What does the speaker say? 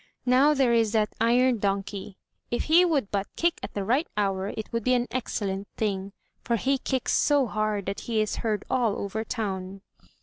Now, there is that iron donkey. If he would but kick at the right hour it would be an excellent thing, for he kicks so hard that he is heard all over the town."